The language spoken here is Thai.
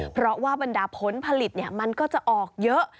เพราะว่าบรรดาผลผลิตมันก็จะออกเยอะ